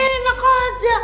ya enak aja